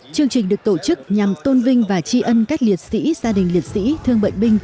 chương trình được tổ chức nhằm tôn vinh và tri ân các liệt sĩ gia đình liệt sĩ thương bệnh binh